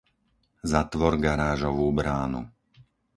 Zatvor garážovú bránu.